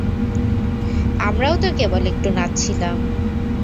আমরাও তো কেবল একটু নাচছিলাম।